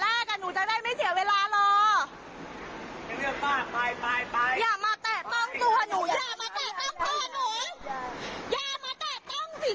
แล้วพอหนูรอรถมาบอกว่าเต็มไปไม่ได้